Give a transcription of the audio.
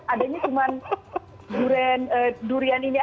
adanya cuma durian ini aja